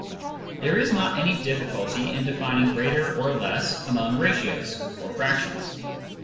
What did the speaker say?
There is not any difficulty in defining greater and less among ratios (or fractions).